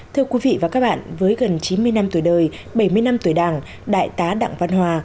thưa quý vị và các bạn với gần chín mươi năm tuổi đời bảy mươi năm tuổi đảng đại tá đặng văn hòa